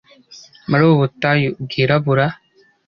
muri ubu butayu bwirabura